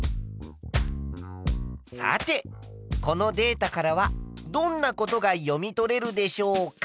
さてこのデータからはどんなことが読み取れるでしょうか？